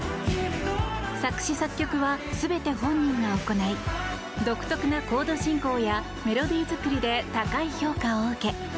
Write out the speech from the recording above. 作詞作曲は全て本人が行い独特なコード進行やメロディー作りで高い評価を受け